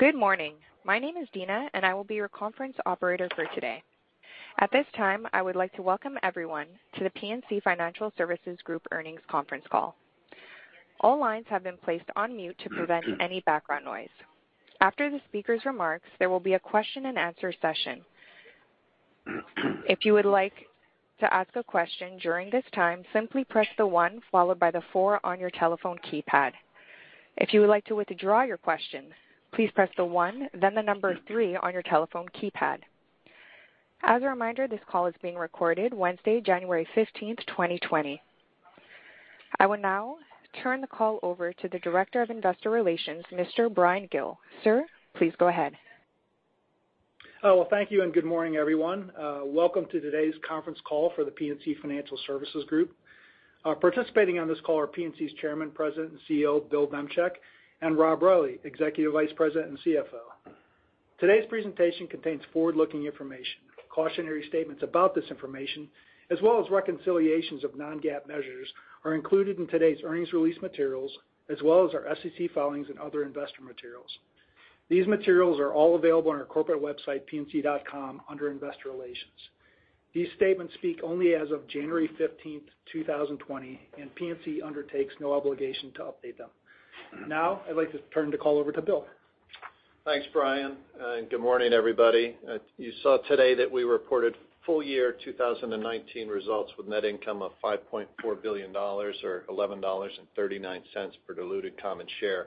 Good morning. My name is Dina, and I will be your conference operator for today. At this time, I would like to welcome everyone to The PNC Financial Services Group earnings conference call. All lines have been placed on mute to prevent any background noise. After the speaker's remarks, there will be a question and answer session. If you would like to ask a question during this time, simply press the one followed by the four on your telephone keypad. If you would like to withdraw your question, please press the one, then the number three on your telephone keypad. As a reminder, this call is being recorded Wednesday, January 15th, 2020. I will now turn the call over to the Director of Investor Relations, Mr. Bryan Gill. Sir, please go ahead. Hello. Thank you, and good morning, everyone. Welcome to today's conference call for The PNC Financial Services Group. Participating on this call are PNC's Chairman, President, and CEO, Bill Demchak, and Rob Reilly, Executive Vice President and CFO. Today's presentation contains forward-looking information. Cautionary statements about this information, as well as reconciliations of non-GAAP measures, are included in today's earnings release materials, as well as our SEC filings and other investor materials. These materials are all available on our corporate website, pnc.com, under Investor Relations. These statements speak only as of January 15th, 2020, and PNC undertakes no obligation to update them. Now, I'd like to turn the call over to Bill. Thanks, Bryan. Good morning, everybody. You saw today that we reported full year 2019 results with net income of $5.4 billion or $11.39 per diluted common share.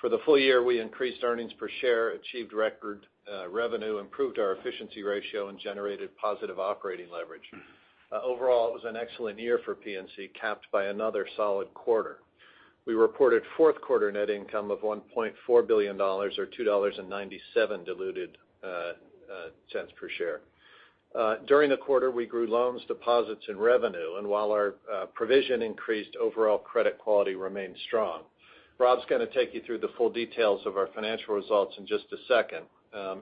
For the full year, we increased earnings per share, achieved record revenue, improved our efficiency ratio, and generated positive operating leverage. Overall, it was an excellent year for PNC, capped by another solid quarter. We reported fourth quarter net income of $1.4 billion, or $0.0297 diluted per share. During the quarter, we grew loans, deposits, and revenue, and while our provision increased, overall credit quality remained strong. Rob's going to take you through the full details of our financial results in just a second,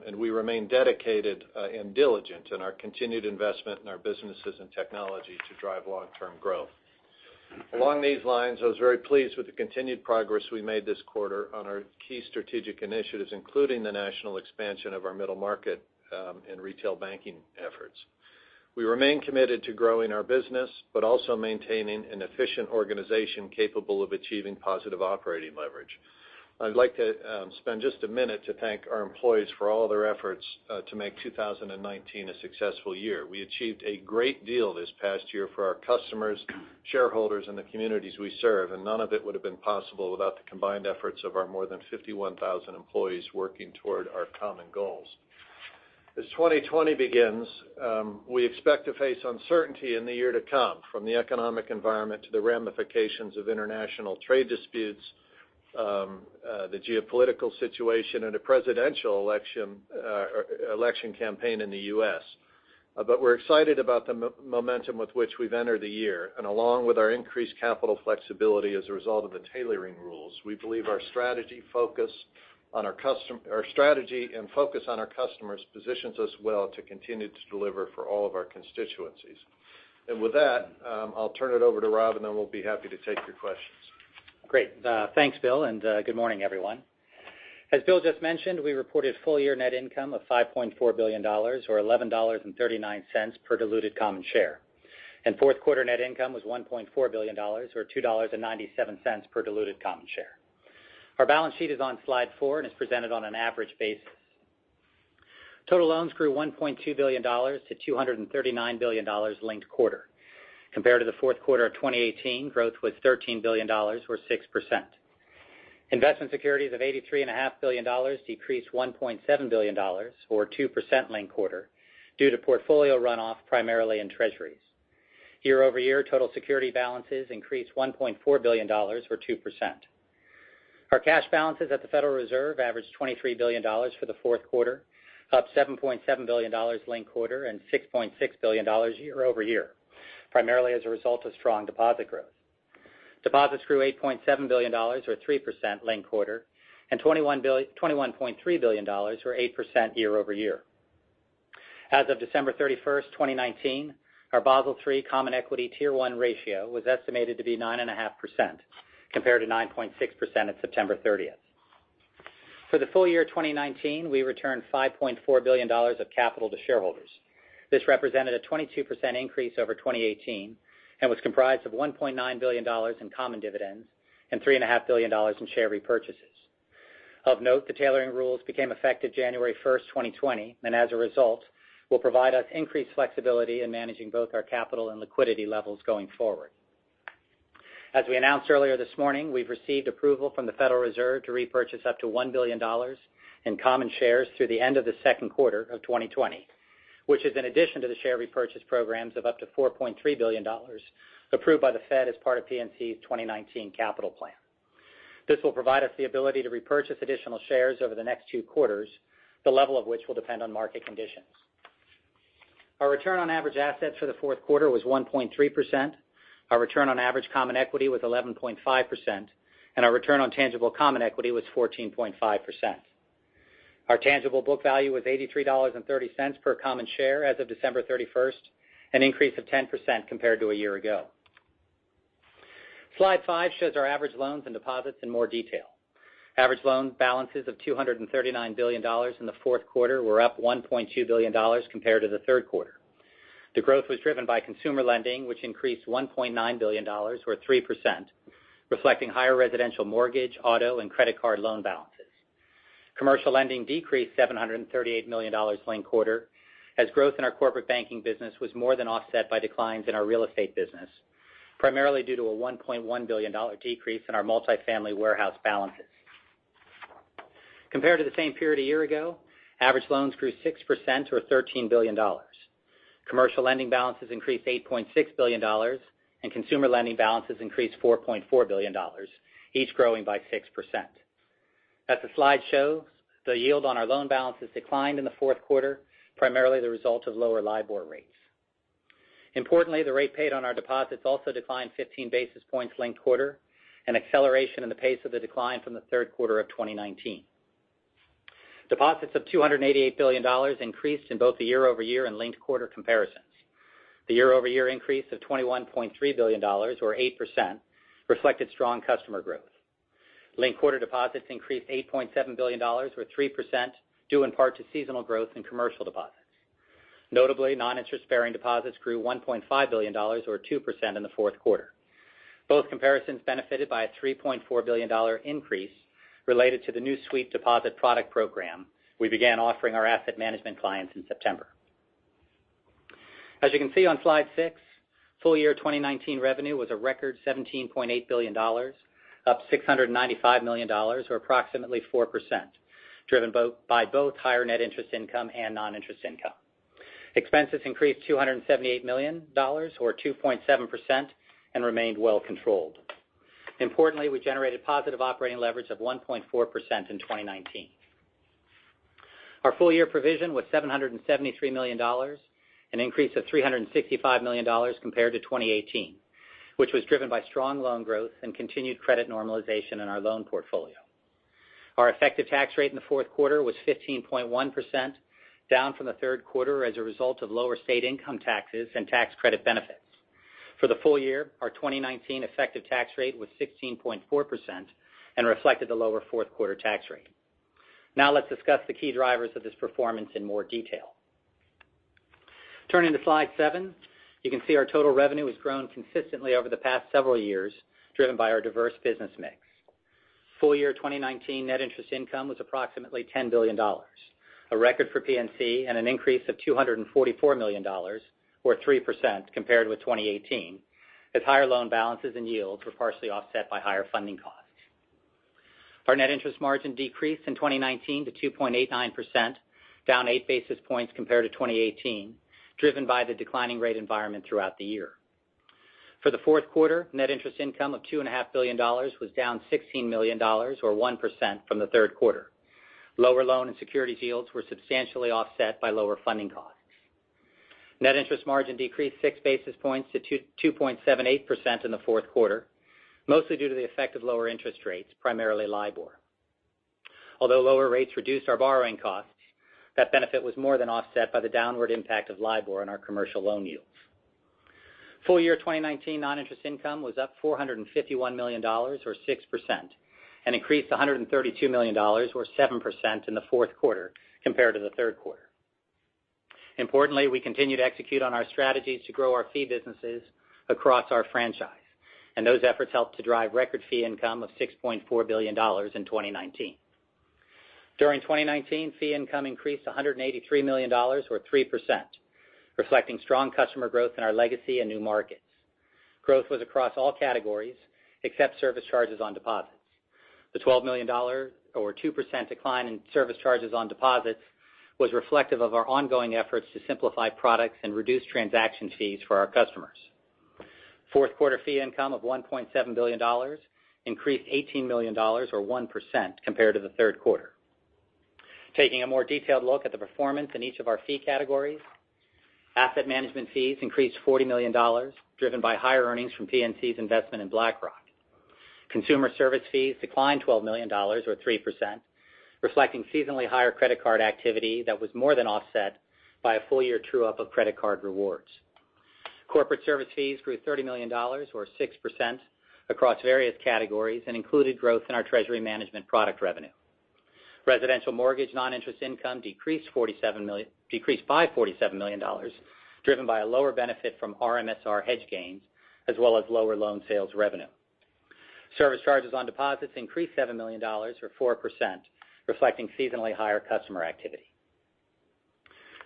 and we remain dedicated and diligent in our continued investment in our businesses and technology to drive long-term growth. Along these lines, I was very pleased with the continued progress we made this quarter on our key strategic initiatives, including the national expansion of our middle market in retail banking efforts. We remain committed to growing our business, but also maintaining an efficient organization capable of achieving positive operating leverage. I'd like to spend just a minute to thank our employees for all their efforts to make 2019 a successful year. We achieved a great deal this past year for our customers, shareholders, and the communities we serve, and none of it would've been possible without the combined efforts of our more than 51,000 employees working toward our common goals. As 2020 begins, we expect to face uncertainty in the year to come, from the economic environment to the ramifications of international trade disputes, the geopolitical situation, and a presidential election campaign in the U.S. We're excited about the momentum with which we've entered the year, and along with our increased capital flexibility as a result of the tailoring rules, we believe our strategy and focus on our customers positions us well to continue to deliver for all of our constituencies. With that, I'll turn it over to Rob, and then we'll be happy to take your questions. Great. Thanks, Bill. Good morning, everyone. As Bill just mentioned, we reported full year net income of $5.4 billion, or $11.39 per diluted common share. Fourth quarter net income was $1.4 billion, or $2.97 per diluted common share. Our balance sheet is on slide four and is presented on an average basis. Total loans grew $1.2 billion to $239 billion linked quarter. Compared to the fourth quarter of 2018, growth was $13 billion, or 6%. Investment securities of $83.5 billion decreased $1.7 billion, or 2% linked quarter, due to portfolio runoff primarily in Treasuries. Year-over-year, total security balances increased $1.4 billion or 2%. Our cash balances at the Federal Reserve averaged $23 billion for the fourth quarter, up $7.7 billion linked quarter and $6.6 billion year-over-year, primarily as a result of strong deposit growth. Deposits grew $8.7 billion or 3% linked quarter, and $21.3 billion or 8% year over year. As of December 31st, 2019, our Basel III common equity Tier 1 ratio was estimated to be 9.5%, compared to 9.6% at September 30th. For the full year 2019, we returned $5.4 billion of capital to shareholders. This represented a 22% increase over 2018 and was comprised of $1.9 billion in common dividends and $3.5 billion in share repurchases. Of note, the tailoring rules became effective January 1st, 2020, and as a result, will provide us increased flexibility in managing both our capital and liquidity levels going forward. As we announced earlier this morning, we've received approval from the Federal Reserve to repurchase up to $1 billion in common shares through the end of the second quarter of 2020, which is an addition to the share repurchase programs of up to $4.3 billion approved by the Fed as part of PNC's 2019 capital plan. This will provide us the ability to repurchase additional shares over the next two quarters, the level of which will depend on market conditions. Our return on average assets for the fourth quarter was 1.3%, our return on average common equity was 11.5%, and our return on tangible common equity was 14.5%. Our tangible book value was $83.30 per common share as of December 31st, an increase of 10% compared to a year ago. Slide five shows our average loans and deposits in more detail. Average loan balances of $239 billion in the fourth quarter were up $1.2 billion compared to the third quarter. The growth was driven by consumer lending, which increased $1.9 billion, or 3%, reflecting higher residential mortgage, auto, and credit card loan balances. Commercial lending decreased $738 million linked quarter, as growth in our corporate banking business was more than offset by declines in our real estate business, primarily due to a $1.1 billion decrease in our multifamily warehouse balances. Compared to the same period a year ago, average loans grew 6%, or $13 billion. Commercial lending balances increased $8.6 billion, and consumer lending balances increased $4.4 billion, each growing by 6%. As the slide shows, the yield on our loan balances declined in the fourth quarter, primarily the result of lower LIBOR rates. Importantly, the rate paid on our deposits also declined 15 basis points linked-quarter, an acceleration in the pace of the decline from the third quarter of 2019. Deposits of $288 billion increased in both the year-over-year and linked-quarter comparisons. The year-over-year increase of $21.3 billion, or 8%, reflected strong customer growth. Linked-quarter deposits increased $8.7 billion, or 3%, due in part to seasonal growth in commercial deposits. Notably, non-interest-bearing deposits grew $1.5 billion, or 2%, in the fourth quarter. Both comparisons benefited by a $3.4 billion increase related to the new suite deposit product program we began offering our asset management clients in September. As you can see on slide six, full year 2019 revenue was a record $17.8 billion, up $695 million, or approximately 4%, driven by both higher net interest income and non-interest income. Expenses increased $278 million, or 2.7%, and remained well controlled. Importantly, we generated positive operating leverage of 1.4% in 2019. Our full year provision was $773 million, an increase of $365 million compared to 2018, which was driven by strong loan growth and continued credit normalization in our loan portfolio. Our effective tax rate in the fourth quarter was 15.1%, down from the third quarter as a result of lower state income taxes and tax credit benefits. For the full year, our 2019 effective tax rate was 16.4% and reflected the lower fourth quarter tax rate. Now let's discuss the key drivers of this performance in more detail. Turning to slide seven, you can see our total revenue has grown consistently over the past several years, driven by our diverse business mix. Full year 2019 net interest income was approximately $10 billion, a record for PNC, and an increase of $244 million, or 3%, compared with 2018, as higher loan balances and yields were partially offset by higher funding costs. Our net interest margin decreased in 2019 to 2.89%, down eight basis points compared to 2018, driven by the declining rate environment throughout the year. For the fourth quarter, net interest income of $2.5 billion was down $16 million, or 1%, from the third quarter. Lower loan and securities yields were substantially offset by lower funding costs. Net interest margin decreased six basis points to 2.78% in the fourth quarter, mostly due to the effect of lower interest rates, primarily LIBOR. Although lower rates reduced our borrowing costs, that benefit was more than offset by the downward impact of LIBOR on our commercial loan yields. Full year 2019 non-interest income was up $451 million, or 6%, and increased $132 million, or 7%, in the fourth quarter compared to the third quarter. Importantly, we continue to execute on our strategies to grow our fee businesses across our franchise, those efforts helped to drive record fee income of $6.4 billion in 2019. During 2019, fee income increased $183 million, or 3%, reflecting strong customer growth in our legacy and new markets. Growth was across all categories except service charges on deposits. The $12 million, or 2%, decline in service charges on deposits was reflective of our ongoing efforts to simplify products and reduce transaction fees for our customers. Fourth quarter fee income of $1.7 billion increased $18 million, or 1%, compared to the third quarter. Taking a more detailed look at the performance in each of our fee categories, asset management fees increased $40 million, driven by higher earnings from PNC's investment in BlackRock. Consumer service fees declined $12 million, or 3%, reflecting seasonally higher credit card activity that was more than offset by a full-year true-up of credit card rewards. Corporate service fees grew $30 million, or 6%, across various categories and included growth in our treasury management product revenue. Residential mortgage non-interest income decreased by $47 million, driven by a lower benefit from MSR hedge gains as well as lower loan sales revenue. Service charges on deposits increased $7 million, or 4%, reflecting seasonally higher customer activity.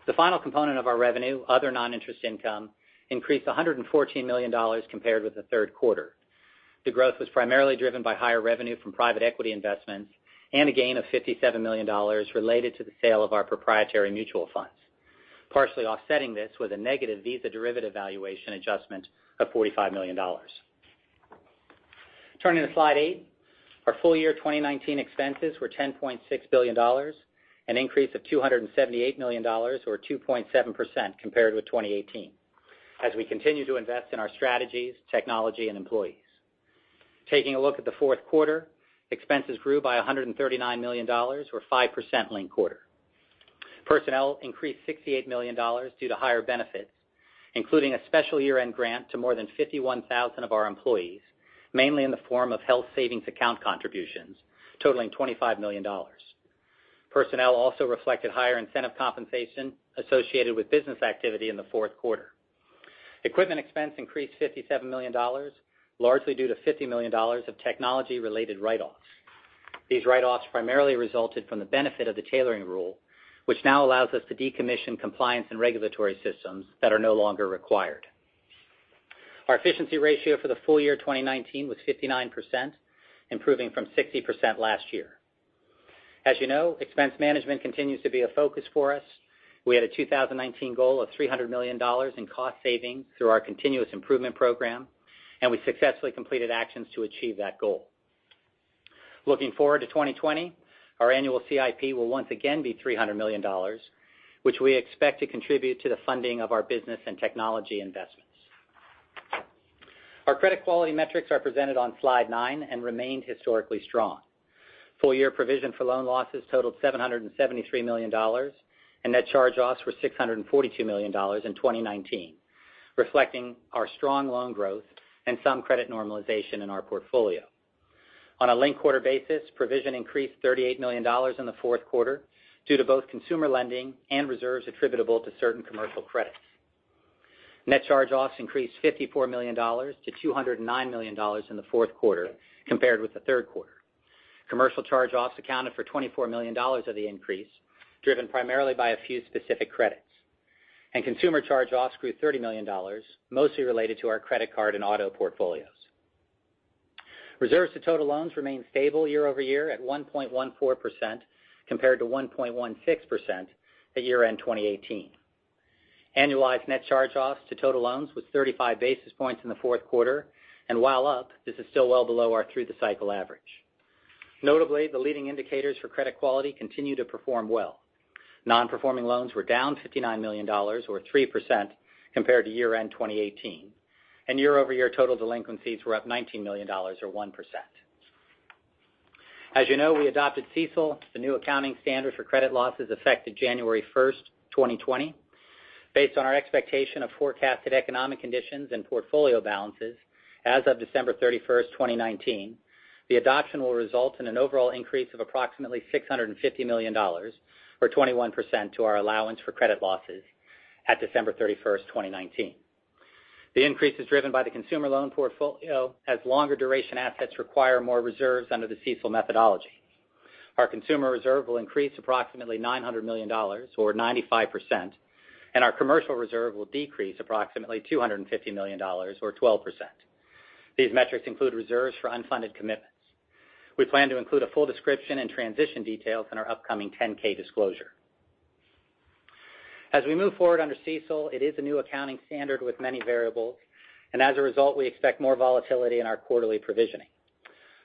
The final component of our revenue, other non-interest income, increased $114 million compared with the third quarter. The growth was primarily driven by higher revenue from private equity investments and a gain of $57 million related to the sale of our proprietary mutual funds. Partially offsetting this was a negative Visa derivative valuation adjustment of $45 million. Turning to slide eight, our full year 2019 expenses were $10.6 billion, an increase of $278 million, or 2.7%, compared with 2018, as we continue to invest in our strategies, technology, and employees. Taking a look at the fourth quarter, expenses grew by $139 million, or 5%, linked quarter. Personnel increased $68 million due to higher benefits, including a special year-end grant to more than 51,000 of our employees, mainly in the form of health savings account contributions totaling $25 million. Personnel also reflected higher incentive compensation associated with business activity in the fourth quarter. Equipment expense increased $57 million, largely due to $50 million of technology-related write-offs. These write-offs primarily resulted from the benefit of the tailoring rule, which now allows us to decommission compliance and regulatory systems that are no longer required. Our efficiency ratio for the full year 2019 was 59%, improving from 60% last year. As you know, expense management continues to be a focus for us. We had a 2019 goal of $300 million in cost savings through our Continuous Improvement Program, and we successfully completed actions to achieve that goal. Looking forward to 2020, our annual CIP will once again be $300 million, which we expect to contribute to the funding of our business and technology investments. Our credit quality metrics are presented on slide nine and remain historically strong. Full-year provision for loan losses totaled $773 million, and net charge-offs were $642 million in 2019, reflecting our strong loan growth and some credit normalization in our portfolio. On a linked-quarter basis, provision increased $38 million in the fourth quarter due to both consumer lending and reserves attributable to certain commercial credits. Net charge-offs increased $54 million to $209 million in the fourth quarter compared with the third quarter. Commercial charge-offs accounted for $24 million of the increase, driven primarily by a few specific credits. Consumer charge-offs grew $30 million, mostly related to our credit card and auto portfolios. Reserves to total loans remain stable year-over-year at 1.14%, compared to 1.16% at year-end 2018. Annualized net charge-offs to total loans was 35 basis points in the fourth quarter, and while up, this is still well below our through-the-cycle average. Notably, the leading indicators for credit quality continue to perform well. Non-performing loans were down $59 million, or 3%, compared to year-end 2018. Year-over-year, total delinquencies were up $19 million or 1%. As you know, we adopted CECL. The new accounting standard for credit losses effective January 1st, 2020. Based on our expectation of forecasted economic conditions and portfolio balances, as of December 31st, 2019, the adoption will result in an overall increase of approximately $650 million, or 21%, to our allowance for credit losses at December 31st, 2019. The increase is driven by the consumer loan portfolio, as longer duration assets require more reserves under the CECL methodology. Our consumer reserve will increase approximately $900 million, or 95%, and our commercial reserve will decrease approximately $250 million, or 12%. These metrics include reserves for unfunded commitments. We plan to include a full description and transition details in our upcoming 10-K disclosure. As we move forward under CECL, it is a new accounting standard with many variables, and as a result, we expect more volatility in our quarterly provisioning.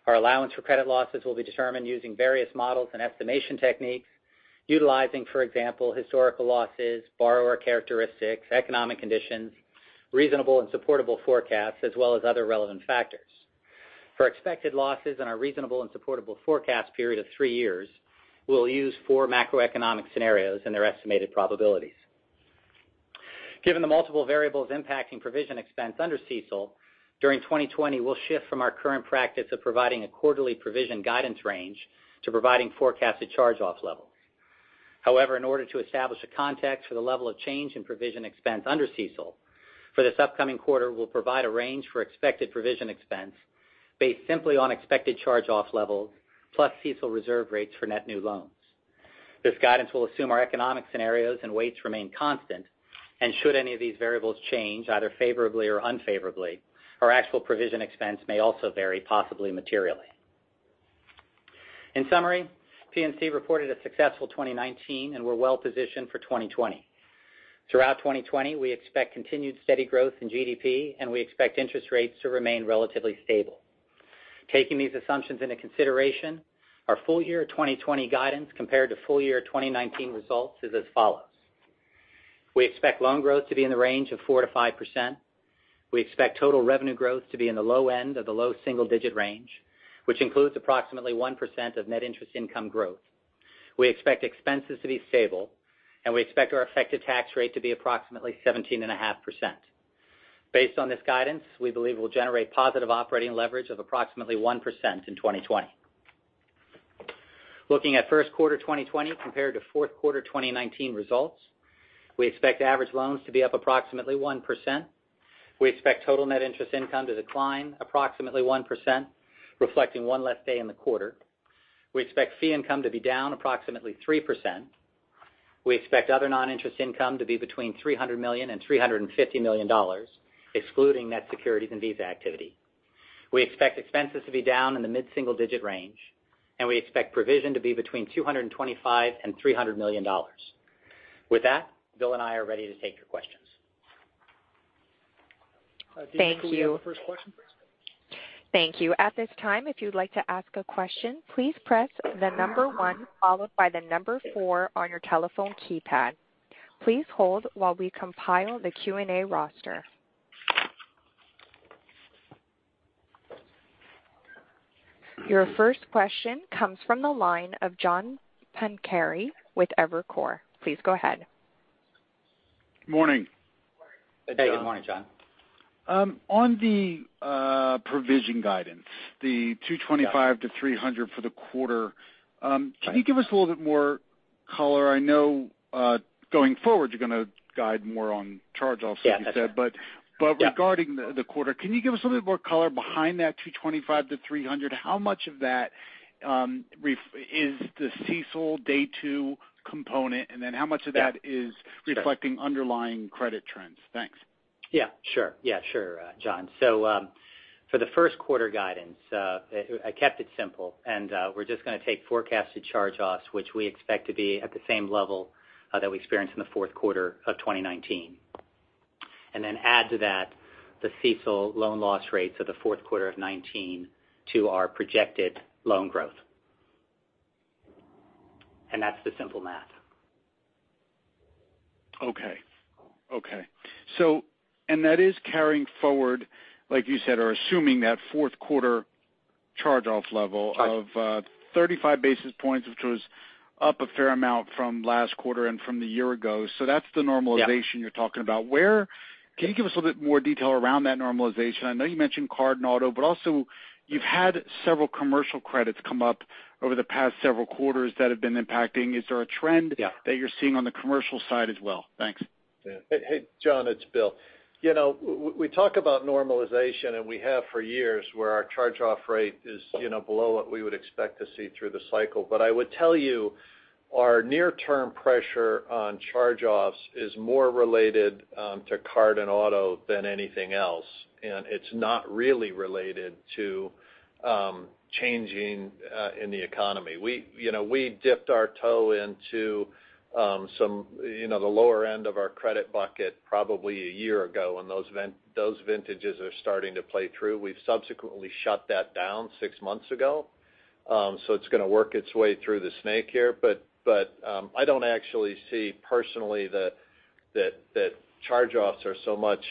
Our allowance for credit losses will be determined using various models and estimation techniques, utilizing, for example, historical losses, borrower characteristics, economic conditions, reasonable and supportable forecasts, as well as other relevant factors. For expected losses in our reasonable and supportable forecast period of three years, we'll use four macroeconomic scenarios and their estimated probabilities. Given the multiple variables impacting provision expense under CECL, during 2020, we'll shift from our current practice of providing a quarterly provision guidance range to providing forecasted charge-off levels. In order to establish a context for the level of change in provision expense under CECL, for this upcoming quarter, we'll provide a range for expected provision expense based simply on expected charge-off levels plus CECL reserve rates for net new loans. This guidance will assume our economic scenarios and weights remain constant, and should any of these variables change, either favorably or unfavorably, our actual provision expense may also vary, possibly materially. In summary, PNC reported a successful 2019, and we're well-positioned for 2020. Throughout 2020, we expect continued steady growth in GDP, and we expect interest rates to remain relatively stable. Taking these assumptions into consideration, our full year 2020 guidance compared to full year 2019 results is as follows. We expect loan growth to be in the range of 4%-5%. We expect total revenue growth to be in the low end of the low single-digit range, which includes approximately 1% of net interest income growth. We expect expenses to be stable, and we expect our effective tax rate to be approximately 17.5%. Based on this guidance, we believe we will generate positive operating leverage of approximately 1% in 2020. Looking at first quarter 2020 compared to fourth quarter 2019 results, we expect average loans to be up approximately 1%. We expect total net interest income to decline approximately 1%, reflecting one less day in the quarter. We expect fee income to be down approximately 3%. We expect other non-interest income to be between $300 million and $350 million, excluding net securities and Visa activity. We expect expenses to be down in the mid-single digit range, and we expect provision to be between $225 and $300 million. With that, Bill and I are ready to take your questions. Thank you. Do you think we have the first question please? Thank you. At this time, if you'd like to ask a question, please press the number one followed by the number four on your telephone keypad. Please hold while we compile the Q&A roster. Your first question comes from the line of John Pancari with Evercore. Please go ahead. Morning. Hey. Good morning, John. On the provision guidance, the $225-$300 for the quarter. Right. Can you give us a little bit more color? I know going forward, you're going to guide more on charge-offs, like you said. Yeah. Regarding the quarter, can you give us a little bit more color behind that 225-300? How much of that is the CECL Day 2 component, and then how much of that is reflecting underlying credit trends? Thanks. Sure, John. For the first quarter guidance, I kept it simple, and we're just going to take forecasted charge-offs, which we expect to be at the same level that we experienced in the fourth quarter of 2019. Add to that the CECL loan loss rates of the fourth quarter of 2019 to our projected loan growth. That's the simple math. Okay. That is carrying forward, like you said, or assuming that fourth quarter charge-off level of 35 basis points, which was up a fair amount from last quarter and from the year ago. That's the normalization you're talking about. Yeah. Can you give us a little bit more detail around that normalization? I know you mentioned card and auto, but also you've had several commercial credits come up over the past several quarters that have been impacting. Is there a trend that you're seeing on the commercial side as well? Thanks. Yeah. Hey, John, it's Bill. We talk about normalization, and we have for years, where our charge-off rate is below what we would expect to see through the cycle. I would tell you, our near-term pressure on charge-offs is more related to card and auto than anything else, and it's not really related to changing in the economy. We dipped our toe into the lower end of our credit bucket probably a year ago, and those vintages are starting to play through. We've subsequently shut that down six months ago. It's going to work its way through the snake here. I don't actually see personally that charge-offs are so much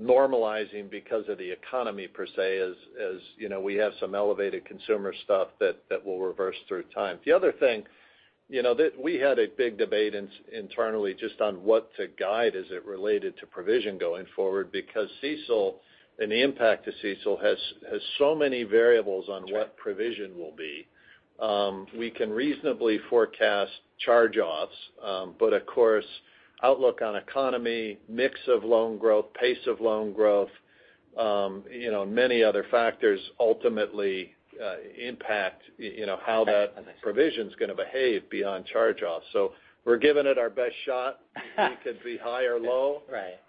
normalizing because of the economy per se, as we have some elevated consumer stuff that will reverse through time. The other thing, we had a big debate internally just on what to guide as it related to provision going forward because CECL and the impact to CECL has so many variables on what provision will be. We can reasonably forecast charge-offs. Of course, outlook on economy, mix of loan growth, pace of loan growth, many other factors ultimately impact how that provision's going to behave beyond charge-offs. We're giving it our best shot. It could be high or low. Right.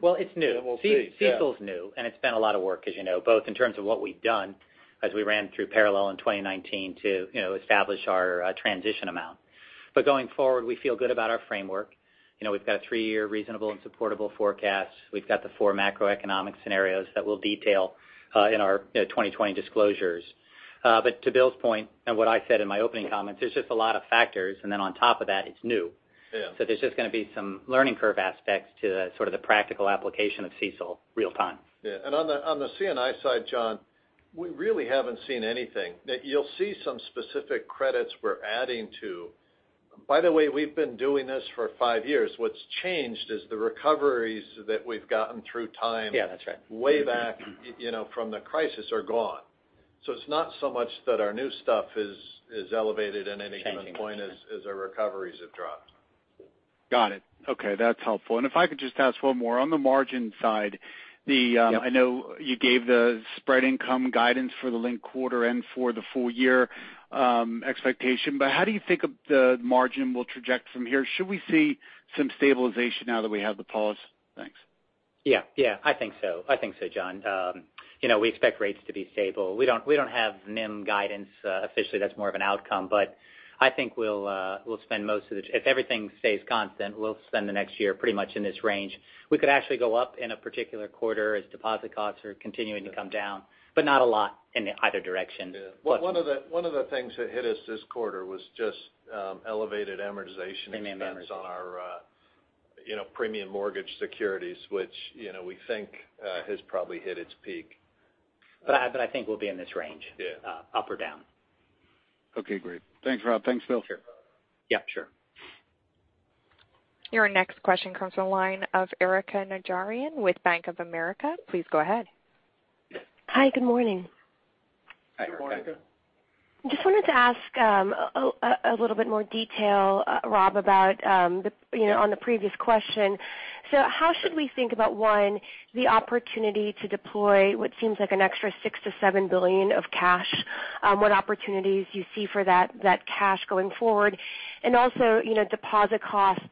Well, it's new. We'll see. Yeah. CECL's new, and it's been a lot of work, as you know, both in terms of what we've done as we ran through parallel in 2019 to establish our transition amount. Going forward, we feel good about our framework. We've got a three-year reasonable and supportable forecast. We've got the four macroeconomic scenarios that we'll detail in our 2020 disclosures. To Bill's point, and what I said in my opening comments, there's just a lot of factors. On top of that, it's new. Yeah. There's just going to be some learning curve aspects to the practical application of CECL real time. Yeah. On the C&I side, John, we really haven't seen anything. You'll see some specific credits we're adding to. By the way, we've been doing this for five years. What's changed is the recoveries that we've gotten through time. Yeah. That's right. way back from the crisis are gone. It's not so much that our new stuff is elevated in any given point as our recoveries have dropped. Got it. Okay. That's helpful. If I could just ask one more. On the margin side, I know you gave the spread income guidance for the linked quarter and for the full year expectation, how do you think the margin will traject from here? Should we see some stabilization now that we have the pause? Thanks. Yeah. I think so, John. We expect rates to be stable. We don't have NIM guidance officially. That's more of an outcome. I think if everything stays constant, we'll spend the next year pretty much in this range. We could actually go up in a particular quarter as deposit costs are continuing to come down, but not a lot in either direction. One of the things that hit us this quarter was just elevated amortization. The NIM amortization. on our premium mortgage securities, which we think has probably hit its peak. I think we'll be in this range. Yeah. Up or down. Okay. Great. Thanks, Rob. Thanks, Bill. Sure. Yeah, sure. Your next question comes from the line of Erika Najarian with Bank of America. Please go ahead. Hi. Good morning. Hi, Erika. Good morning. Just wanted to ask a little bit more detail, Rob, on the previous question. How should we think about, one, the opportunity to deploy what seems like an extra $6 billion-$7 billion of cash, what opportunities you see for that cash going forward? Also, deposit costs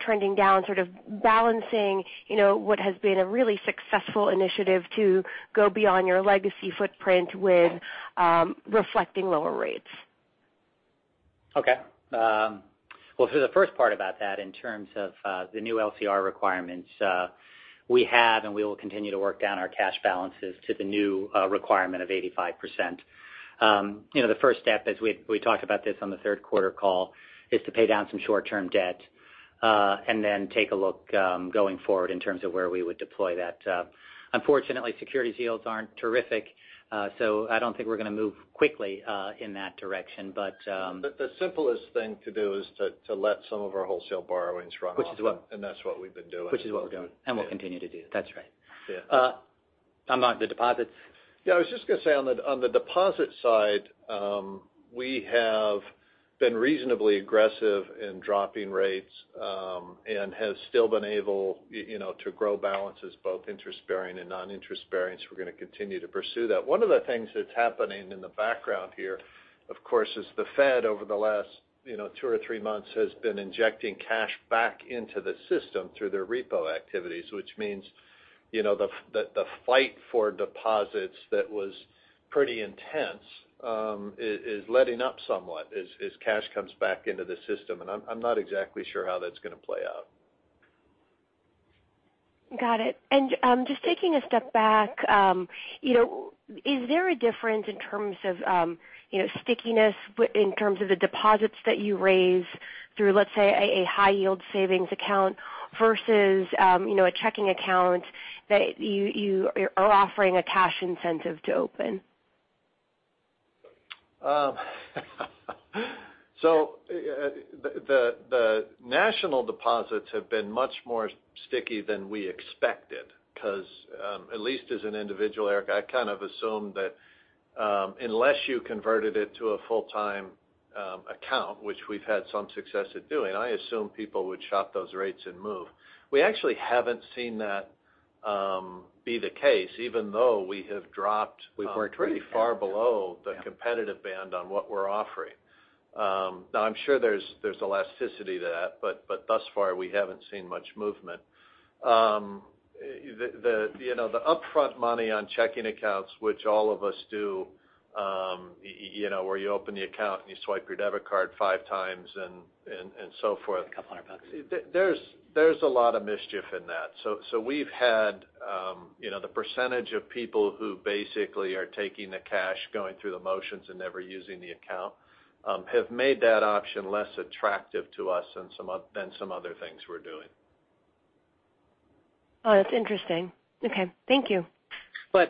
trending down, sort of balancing what has been a really successful initiative to go beyond your legacy footprint with reflecting lower rates. Okay. Well, for the first part about that, in terms of the new LCR requirements, we have and we will continue to work down our cash balances to the new requirement of 85%. The first step, as we talked about this on the third quarter call, is to pay down some short-term debt and then take a look going forward in terms of where we would deploy that. Unfortunately, securities yields aren't terrific, I don't think we're going to move quickly in that direction. The simplest thing to do is to let some of our wholesale borrowings run off. Which is what- That's what we've been doing. which is what we're doing, and will continue to do. That's right. Yeah. On the deposits? Yeah, I was just going to say, on the deposit side, we have been reasonably aggressive in dropping rates and have still been able to grow balances, both interest-bearing and non-interest-bearings. We're going to continue to pursue that. One of the things that's happening in the background here, of course, is the Fed over the last two or three months has been injecting cash back into the system through their repo activities, which means the fight for deposits that was pretty intense is letting up somewhat as cash comes back into the system. I'm not exactly sure how that's going to play out. Got it. Just taking a step back, is there a difference in terms of stickiness in terms of the deposits that you raise through, let's say, a high yield savings account versus a checking account that you are offering a cash incentive to open? The national deposits have been much more sticky than we expected because at least as an individual, Erika, I kind of assumed that unless you converted it to a full-time account, which we've had some success at doing, I assumed people would shop those rates and move. We actually haven't seen that be the case, even though we have dropped. We've worked rates down. pretty far below the competitive band on what we're offering. I'm sure there's elasticity to that, but thus far, we haven't seen much movement. The upfront money on checking accounts, which all of us do where you open the account and you swipe your debit card five times and so forth. A couple $100. There's a lot of mischief in that. We've had the percentage of people who basically are taking the cash, going through the motions, and never using the account have made that option less attractive to us than some other things we're doing. Oh, that's interesting. Okay. Thank you.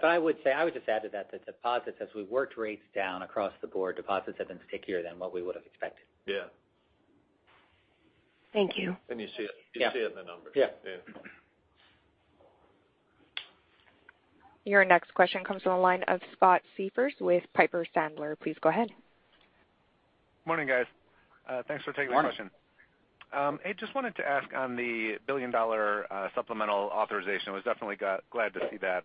I would say, I would just add to that, the deposits, as we've worked rates down across the board, deposits have been stickier than what we would've expected. Yeah. Thank you. You see it in the numbers. Yeah. Yeah. Your next question comes from the line of Scott Siefers with Piper Sandler. Please go ahead. Morning, guys. Thanks for taking the question. Morning. Hey, just wanted to ask on the billion-dollar supplemental authorization. Was definitely glad to see that.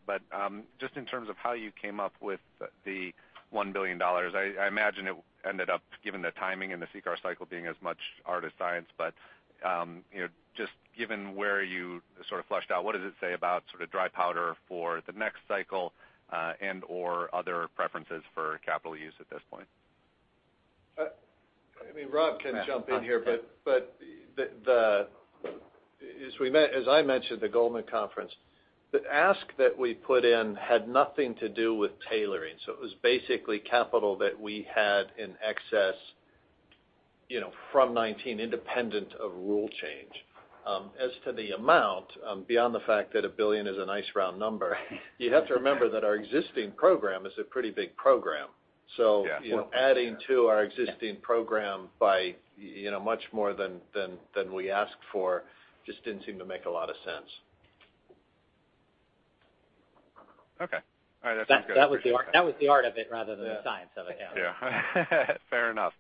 Just in terms of how you came up with the $1 billion. I imagine it ended up, given the timing and the CCAR cycle being as much art as science. Just given where you sort of fleshed out, what does it say about sort of dry powder for the next cycle and/or other preferences for capital use at this point? I mean, Rob can jump in here. As I mentioned at the Goldman conference, the ask that we put in had nothing to do with tailoring. It was basically capital that we had in excess from 2019, independent of rule change. As to the amount, beyond the fact that $1 billion is a nice round number, you have to remember that our existing program is a pretty big program. Yeah. Adding to our existing program by much more than we asked for just didn't seem to make a lot of sense. Okay. All right. That's good. That was the art of it rather than the science of it. Yeah. Yeah. Fair enough.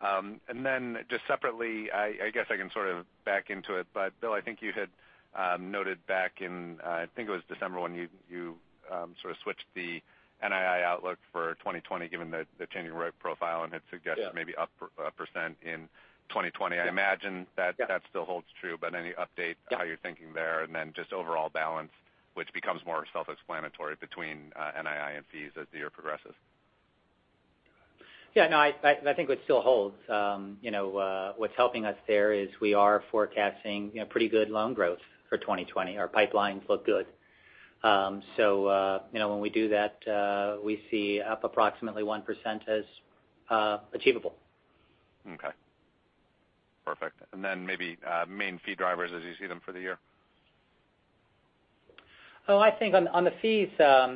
Then just separately, I guess I can sort of back into it, but Bill, I think you had noted back in, I think it was December when you sort of switched the NII outlook for 2020 given the changing rate profile and had suggested maybe up 1% in 2020. I imagine that still holds true. Any update how you're thinking there, and then just overall balance, which becomes more self-explanatory between NII and fees as the year progresses? Yeah, no, I think it still holds. What's helping us there is we are forecasting pretty good loan growth for 2020. Our pipelines look good. When we do that, we see up approximately 1% as achievable. Okay. Perfect. Maybe main fee drivers as you see them for the year? I think on the fees,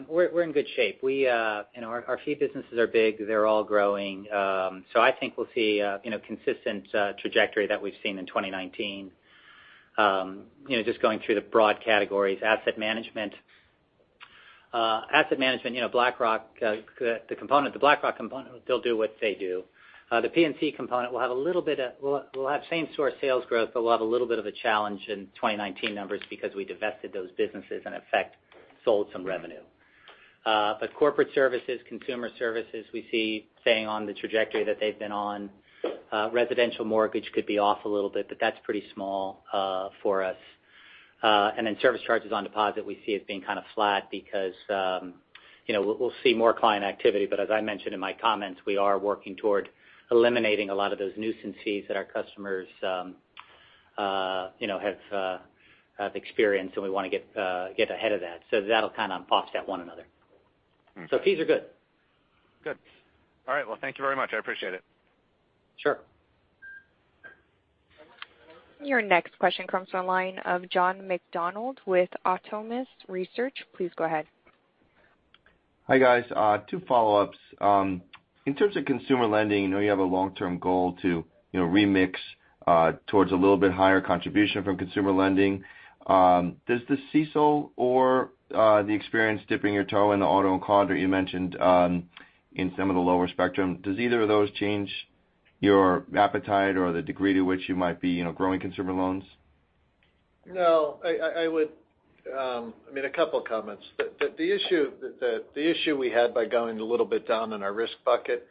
we're in good shape. Our fee businesses are big. They're all growing. I think we'll see a consistent trajectory that we've seen in 2019. Going through the broad categories, Asset Management. Asset Management, the BlackRock component, they'll do what they do. The PNC component will have same-store sales growth, we'll have a little bit of a challenge in 2019 numbers because we divested those businesses, in effect, sold some revenue. Corporate Services, Consumer Services, we see staying on the trajectory that they've been on. Residential Mortgage could be off a little bit, that's pretty small for us. Service charges on deposit we see as being kind of flat because we'll see more client activity. As I mentioned in my comments, we are working toward eliminating a lot of those nuisances that our customers have experience, and we want to get ahead of that. That'll kind of offset one another. Fees are good. Good. All right. Well, thank you very much. I appreciate it. Sure. Your next question comes from the line of John McDonald with Autonomous Research. Please go ahead. Hi, guys. Two follow-ups. In terms of consumer lending, I know you have a long-term goal to remix towards a little bit higher contribution from consumer lending. Does the CECL or the experience dipping your toe in the auto and card that you mentioned in some of the lower spectrum, does either of those change your appetite or the degree to which you might be growing consumer loans? No. A couple of comments. The issue we had by going a little bit down in our risk bucket,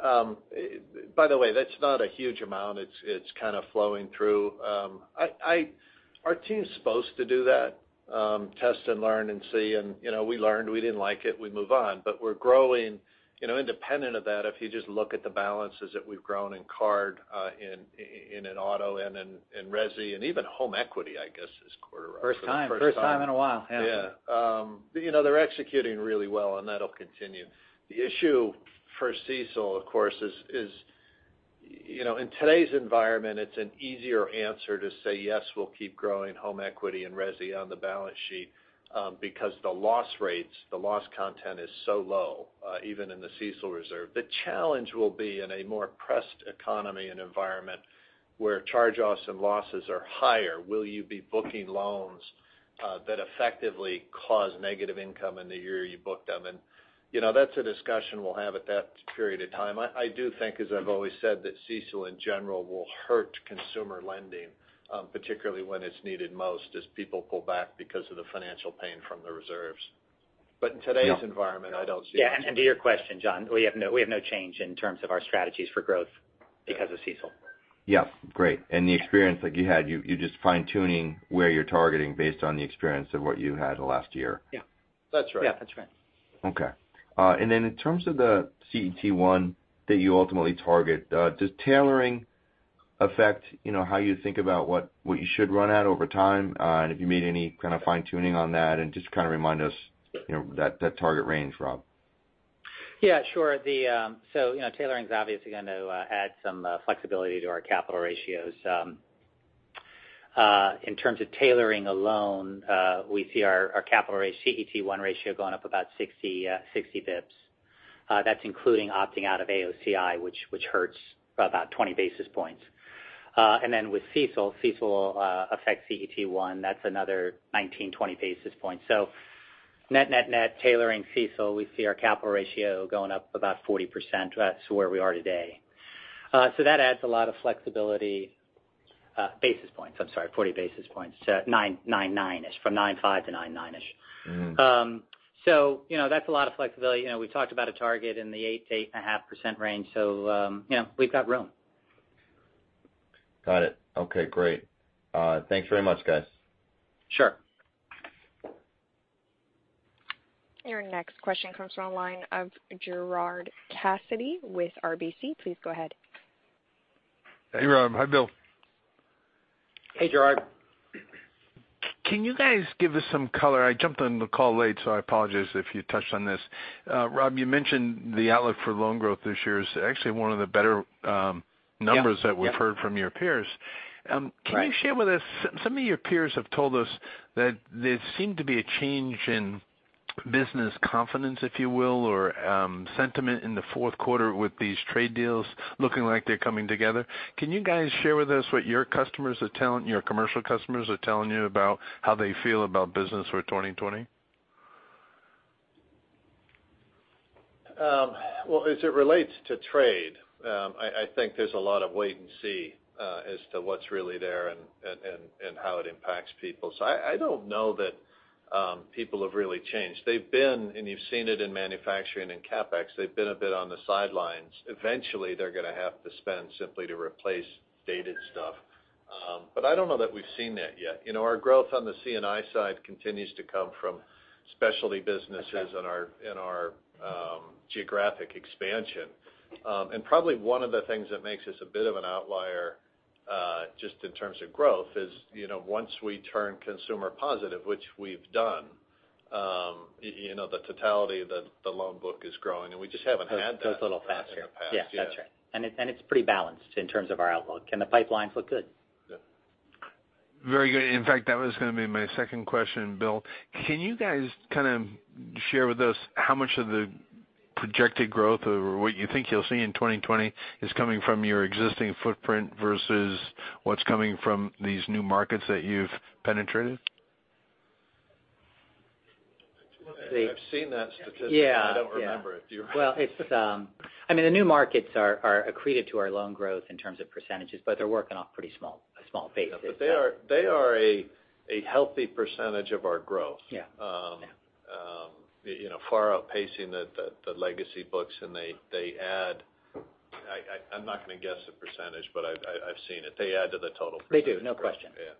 by the way, that's not a huge amount. It's kind of flowing through. Our team's supposed to do that, test and learn and see, and we learned. We didn't like it. We move on. We're growing independent of that, if you just look at the balances that we've grown in card and in auto and in resi, and even home equity, I guess, this quarter for the first time. First time in a while. Yeah. Yeah. They're executing really well. That'll continue. The issue for CECL, of course, is in today's environment, it's an easier answer to say, yes, we'll keep growing home equity and resi on the balance sheet because the loss rates, the loss content is so low even in the CECL reserve. The challenge will be in a more pressed economy and environment where charge-offs and losses are higher. Will you be booking loans that effectively cause negative income in the year you book them? That's a discussion we'll have at that period of time. I do think, as I've always said, that CECL in general will hurt consumer lending, particularly when it's needed most as people pull back because of the financial pain from the reserves. In today's environment, I don't see it. Yeah, to your question, John, we have no change in terms of our strategies for growth because of CECL. Yeah. Great. The experience that you had, you're just fine-tuning where you're targeting based on the experience of what you had last year. Yeah. That's right. Yeah. That's right. Okay. Then in terms of the CET1 that you ultimately target, does tailoring affect how you think about what you should run at over time? If you made any kind of fine-tuning on that, and just kind of remind us that target range, Rob. Yeah, sure. Tailoring is obviously going to add some flexibility to our capital ratios. In terms of tailoring alone, we see our capital ratio, CET1 ratio going up about 60 basis points. That's including opting out of AOCI, which hurts by about 20 basis points. With CECL affects CET1. That's another 19, 20 basis points. Net-net-net tailoring CECL, we see our capital ratio going up about 40% to where we are today. That adds a lot of flexibility. Basis points, I'm sorry, 40 basis points. 99-ish, from 95 to 99-ish. That's a lot of flexibility. We've talked about a target in the 8%-8.5% range. We've got room. Got it. Okay, great. Thanks very much, guys. Sure. Your next question comes from the line of Gerard Cassidy with RBC. Please go ahead. Hey, Rob. Hi, Bill. Hey, Gerard. Can you guys give us some color? I jumped on the call late, so I apologize if you touched on this. Rob, you mentioned the outlook for loan growth this year is actually one of the better numbers- Yeah that we've heard from your peers. Right. Can you share with us, some of your peers have told us that there seemed to be a change in business confidence, if you will, or sentiment in the fourth quarter with these trade deals looking like they're coming together. Can you guys share with us what your commercial customers are telling you about how they feel about business for 2020? Well, as it relates to trade, I think there's a lot of wait and see as to what's really there and how it impacts people. I don't know that people have really changed. They've been, and you've seen it in manufacturing and CapEx, they've been a bit on the sidelines. Eventually, they're going to have to spend simply to replace dated stuff. I don't know that we've seen that yet. Our growth on the C&I side continues to come from specialty businesses in our geographic expansion. Probably one of the things that makes us a bit of an outlier just in terms of growth is once we turn consumer positive, which we've done, the totality that the loan book is growing, and we just haven't had that. Goes a little faster. in the past yet. Yeah. That's right. It's pretty balanced in terms of our outlook, and the pipelines look good. Yeah. Very good. In fact, that was going to be my second question. Bill, can you guys kind of share with us how much of the projected growth or what you think you'll see in 2020 is coming from your existing footprint versus what's coming from these new markets that you've penetrated? I've seen that statistic. Yeah I don't remember it. Do you? Well, the new markets are accreted to our loan growth in terms of percentages, but they're working off pretty small bases. They are a healthy percentage of our growth. Yeah. Far outpacing the legacy books, and they add, I'm not going to guess a percentage, but I've seen it. They add to the total. They do, no question. Yeah.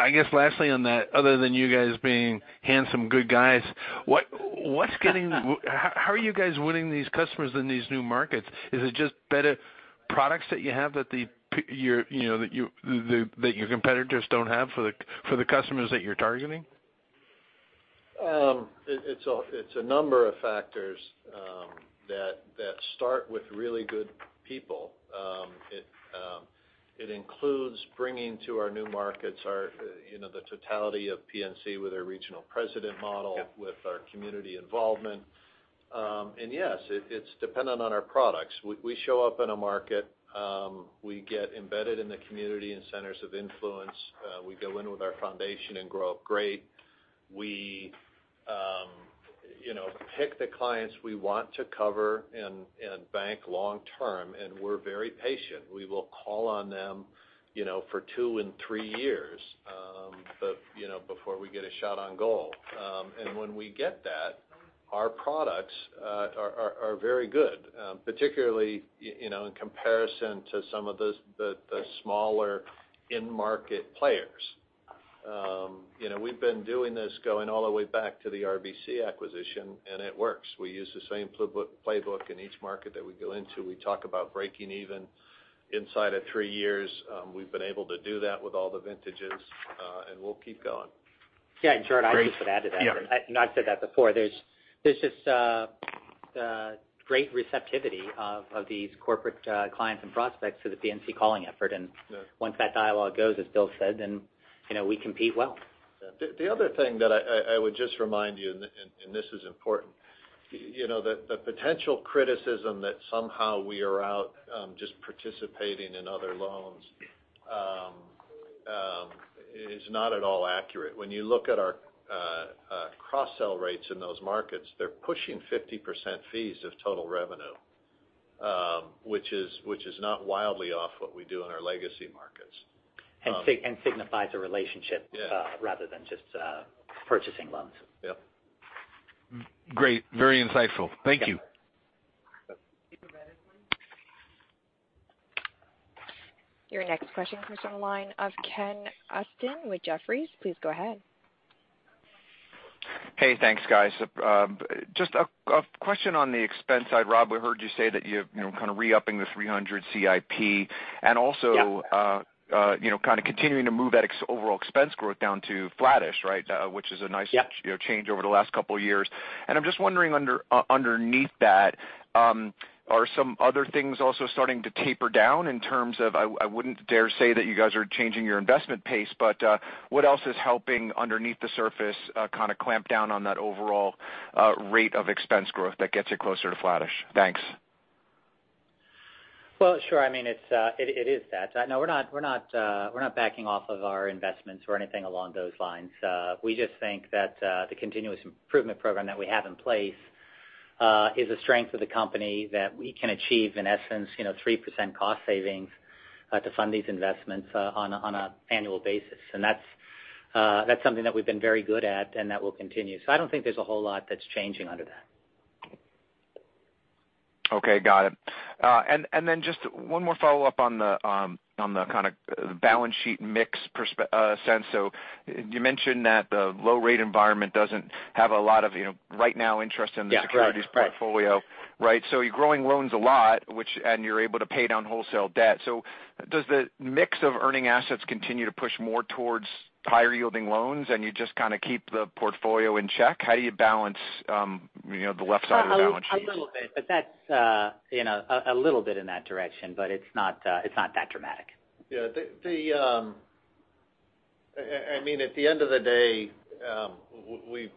I guess lastly on that, other than you guys being handsome good guys, how are you guys winning these customers in these new markets? Is it just better products that you have that your competitors don't have for the customers that you're targeting? It's a number of factors that start with really good people. It includes bringing to our new markets the totality of PNC with our regional president model. Yeah Yes, it's dependent on our products. We show up in a market, we get embedded in the community and centers of influence. We go in with our foundation and Grow Up Great. We pick the clients we want to cover and bank long term, and we're very patient. We will call on them for two and three years before we get a shot on goal. When we get that, our products are very good, particularly in comparison to some of the smaller in-market players. We've been doing this going all the way back to the RBC acquisition, and it works. We use the same playbook in each market that we go into. We talk about breaking even inside of three years. We've been able to do that with all the vintages, and we'll keep going. Yeah. Gerard, I'd just add to that. Yeah. I've said that before. There's just great receptivity of these corporate clients and prospects to the PNC calling effort. Yeah Once that dialogue goes, as Bill said, then we compete well. The other thing that I would just remind you, this is important. The potential criticism that somehow we are out just participating in other loans is not at all accurate. When you look at our cross-sell rates in those markets, they're pushing 50% fees of total revenue, which is not wildly off what we do in our legacy markets. signifies a relationship. Yeah rather than just purchasing loans. Yep. Great. Very insightful. Thank you. Your next question comes from the line of Ken Usdin with Jefferies. Please go ahead. Hey. Thanks, guys. Just a question on the expense side, Rob. We heard you say that you're kind of re-upping the 300 CIP. Yeah kind of continuing to move that overall expense growth down to flattish, right? Yep change over the last couple of years. I'm just wondering, underneath that, are some other things also starting to taper down in terms of, I wouldn't dare say that you guys are changing your investment pace, but what else is helping underneath the surface kind of clamp down on that overall rate of expense growth that gets you closer to flattish? Thanks. Well, sure. It is that. No, we're not backing off of our investments or anything along those lines. We just think that the continuous improvement program that we have in place is a strength of the company that we can achieve, in essence, 3% cost savings to fund these investments on an annual basis. That's something that we've been very good at, and that will continue. I don't think there's a whole lot that's changing under that. Okay. Got it. just one more follow-up on the kind of balance sheet mix sense. you mentioned that the low rate environment doesn't have a lot of right now interest in the Yeah. Correct. securities portfolio, right? You're growing loans a lot, and you're able to pay down wholesale debt. Does the mix of earning assets continue to push more towards higher-yielding loans, and you just kind of keep the portfolio in check? How do you balance the left side of the balance sheet? A little bit, in that direction, but it's not that dramatic. Yeah. At the end of the day, we're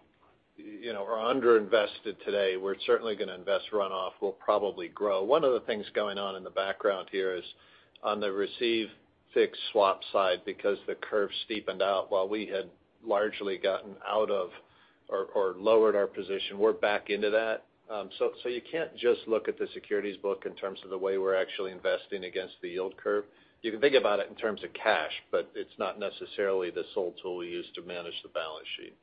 underinvested today. We're certainly going to invest runoff. We'll probably grow. One of the things going on in the background here is on the receive fixed swap side, because the curve steepened out while we had largely gotten out of or lowered our position, we're back into that. You can't just look at the securities book in terms of the way we're actually investing against the yield curve. You can think about it in terms of cash, but it's not necessarily the sole tool we use to manage the balance sheet.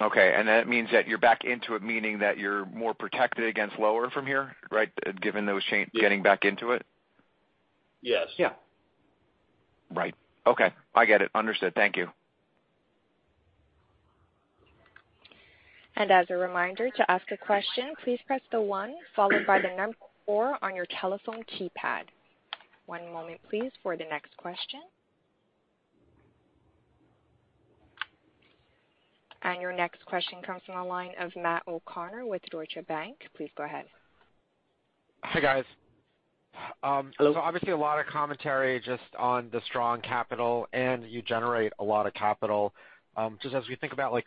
Okay. That means that you're back into it, meaning that you're more protected against lower from here, right, given those getting back into it? Yes. Yeah. Right. Okay. I get it. Understood. Thank you. As a reminder, to ask a question, please press the one followed by the number four on your telephone keypad. One moment, please, for the next question. Your next question comes from the line of Matt O'Connor with Deutsche Bank. Please go ahead. Hi, guys. Hello. Obviously, a lot of commentary just on the strong capital, and you generate a lot of capital. Just as we think about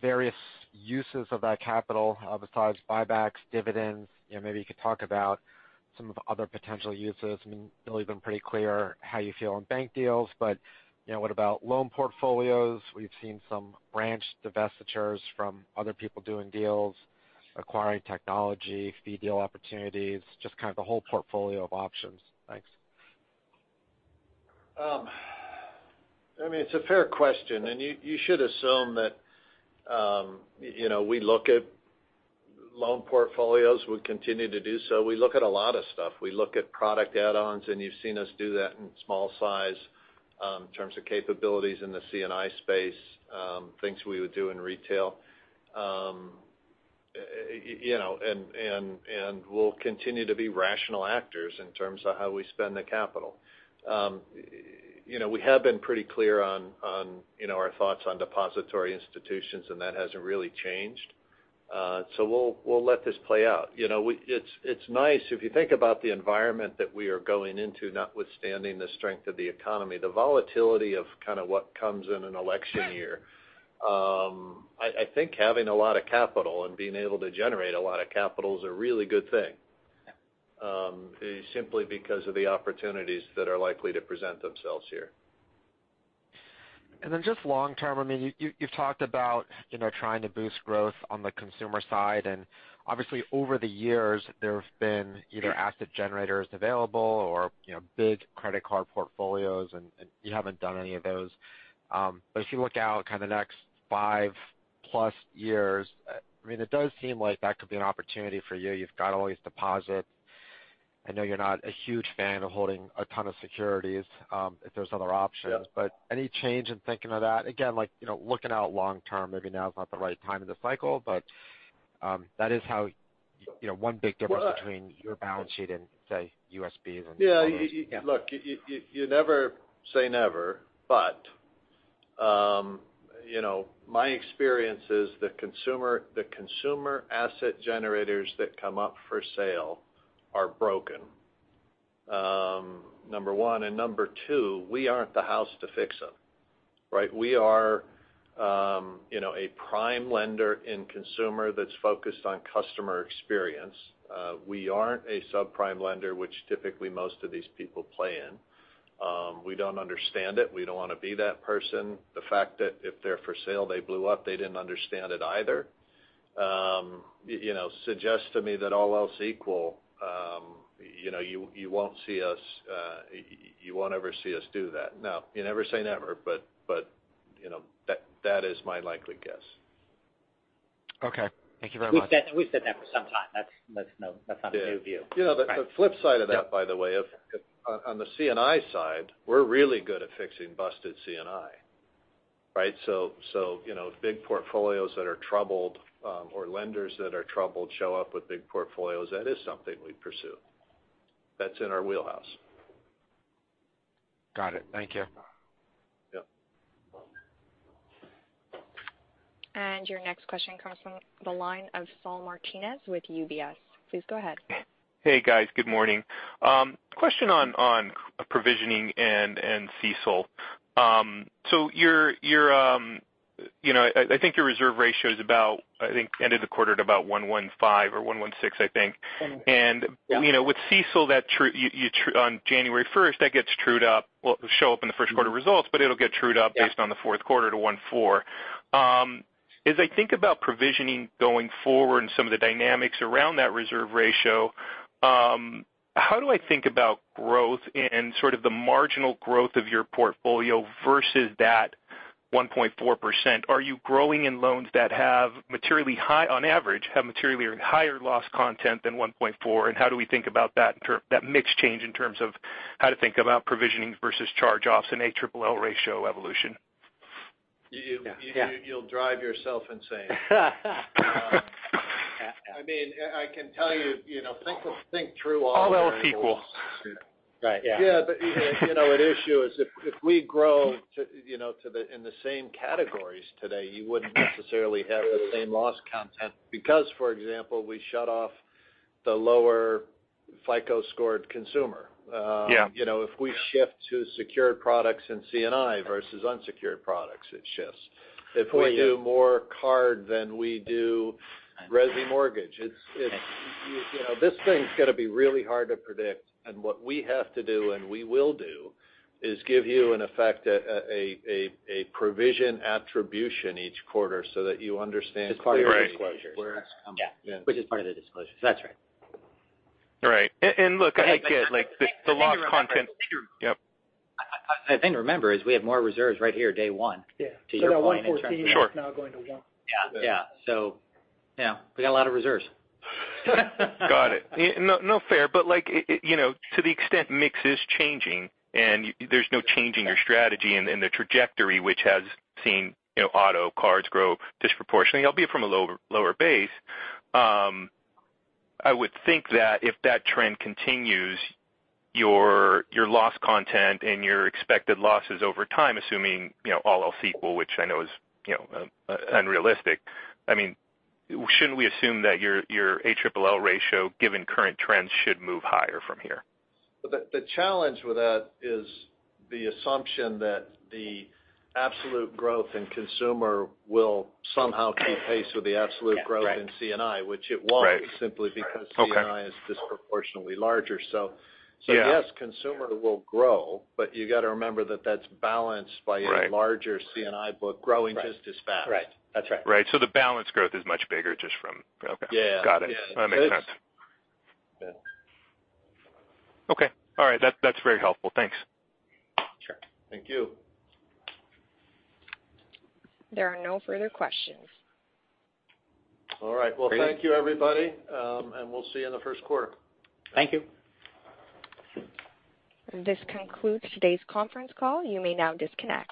various uses of that capital besides buybacks, dividends, maybe you could talk about some of the other potential uses. I mean, you've been pretty clear how you feel on bank deals, but what about loan portfolios? We've seen some branch divestitures from other people doing deals, acquiring technology, fee deal opportunities, just kind of the whole portfolio of options. Thanks. It's a fair question. You should assume that we look at loan portfolios would continue to do so. We look at a lot of stuff. We look at product add-ons, and you've seen us do that in small size, in terms of capabilities in the C&I space, things we would do in retail. We'll continue to be rational actors in terms of how we spend the capital. We have been pretty clear on our thoughts on depository institutions, and that hasn't really changed. We'll let this play out. It's nice, if you think about the environment that we are going into, notwithstanding the strength of the economy, the volatility of what comes in an election year, I think having a lot of capital and being able to generate a lot of capital is a really good thing simply because of the opportunities that are likely to present themselves here. Just long term, you've talked about trying to boost growth on the consumer side, and obviously over the years, there have been either asset generators available or big credit card portfolios, and you haven't done any of those. If you look out the next five-plus years, it does seem like that could be an opportunity for you. You've got all these deposits. I know you're not a huge fan of holding a ton of securities if there's other options. Yeah. Any change in thinking of that? Again, looking out long term, maybe now is not the right time in the cycle, that is how one big difference between your balance sheet and, say, U.S.B.'s and- Yeah. Look, you never say never, but my experience is the consumer asset generators that come up for sale are broken, number one. Number two, we aren't the house to fix them. We are a prime lender in consumer that's focused on customer experience. We aren't a subprime lender, which typically most of these people play in. We don't understand it. We don't want to be that person. The fact that if they're for sale, they blew up, they didn't understand it either suggests to me that all else equal, you won't ever see us do that. Now, you never say never, but that is my likely guess. Okay. Thank you very much. We've said that for some time. That's not a new view. The flip side of that, by the way, on the C&I side, we're really good at fixing busted C&I. If big portfolios that are troubled or lenders that are troubled show up with big portfolios, that is something we'd pursue. That's in our wheelhouse. Got it. Thank you. Yep. Your next question comes from the line of Saul Martinez with UBS. Please go ahead. Hey, guys. Good morning. Question on provisioning and CECL. I think your reserve ratio ended the quarter at about 115 or 116, I think. Mm-hmm. Yeah. With CECL, on January 1st, that gets trued up. Well, it'll show up in the first quarter results, but it'll get trued up based on the fourth quarter to 1.4. As I think about provisioning going forward and some of the dynamics around that reserve ratio, how do I think about growth and sort of the marginal growth of your portfolio versus that 1.4%? Are you growing in loans that on average, have materially higher loss content than 1.4? How do we think about that mix change in terms of how to think about provisioning versus charge-offs and ALL ratio evolution? You'll drive yourself insane. I can tell you, think through all the variables. All else equal. Right. Yeah. Yeah. An issue is if we grow in the same categories today, you wouldn't necessarily have the same loss content because, for example, we shut off the lower FICO-scored consumer. Yeah. If we shift to secured products in C&I versus unsecured products, it shifts. If we do more card than we do resi mortgage. This thing's going to be really hard to predict, and what we have to do, and we will do, is give you in effect a provision attribution each quarter so that you understand clearly. It's part of the disclosure. Right. Where that's coming from. Yeah. Which is part of the disclosure. That's right. Right. Look, I get the loss content. The thing to remember is we have more reserves right here day one. Yeah. To your point in terms of- That 114 is now going to one. Sure. Yeah. We've got a lot of reserves. Got it. No, fair. To the extent mix is changing and there's no changing your strategy and the trajectory, which has seen auto cards grow disproportionately, albeit from a lower base, I would think that if that trend continues, your loss content and your expected losses over time, assuming all else equal, which I know is unrealistic. Shouldn't we assume that your ALL ratio, given current trends, should move higher from here? The challenge with that is the assumption that the absolute growth in consumer will somehow keep pace with the absolute growth in C&I. Yeah. Right. Which it won't simply because C&I is disproportionately larger. Yeah. Yes, consumer will grow, but you've got to remember that that's balanced by a larger C&I book growing just as fast. Right. That's right. Right. The balance growth is much bigger. Yeah. Got it. That makes sense. Okay. All right. That's very helpful. Thanks. Sure. Thank you. There are no further questions. All right. Well, thank you, everybody, and we'll see you in the first quarter. Thank you. This concludes today's conference call. You may now disconnect.